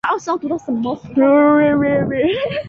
杂种鱼鳔槐为豆科鱼鳔槐属下的一个种。